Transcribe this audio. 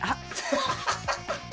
ハハハハ！